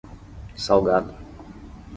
Salgado